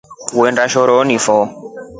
Utaenda shoroni fo.